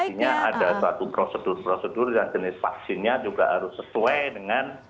artinya ada suatu prosedur prosedur dan jenis vaksinnya juga harus sesuai dengan